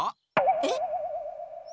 えっ？